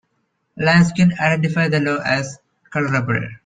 Laskin identified the law as colourable.